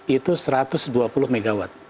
itu satu ratus dua puluh mw